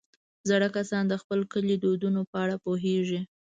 زاړه کسان د خپل کلي د دودونو په اړه پوهېږي